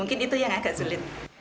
mungkin itu yang agak sulit